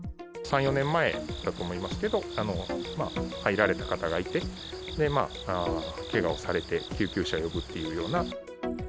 ３、４年前だと思いますけれども、入られた方がいて、けがをされて救急車呼ぶっていうような。